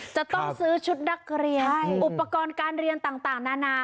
จะต้องซื้อชุดนักเรียนอุปกรณ์การเรียนต่างนานา